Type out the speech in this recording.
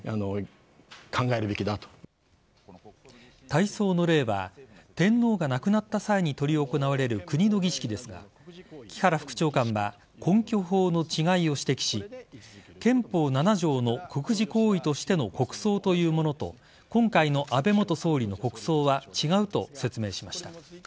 大喪の礼は天皇が亡くなった際に執り行われる国の儀式ですが木原副長官は根拠法の違いを指摘し憲法７条の国事行為としての国葬というものと今回の安倍元総理の国葬は違うと説明しました。